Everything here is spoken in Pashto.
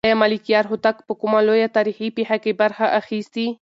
آیا ملکیار هوتک په کومه لویه تاریخي پېښه کې برخه اخیستې؟